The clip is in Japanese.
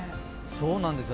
そうなんですよ